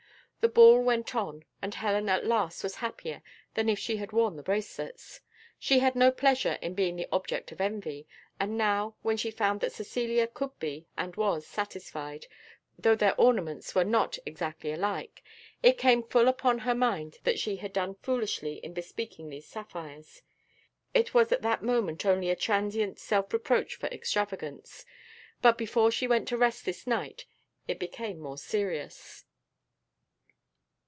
The ball went on, and Helen at least was happier than if she had worn the bracelets. She had no pleasure in being the object of envy, and now, when she found that Cecilia could be and was satisfied, though their ornaments were not exactly alike, it came full upon her mind that she had done foolishly in bespeaking these sapphires: it was at that moment only a transient self reproach for extravagance, but before she went to rest this night it became more serious.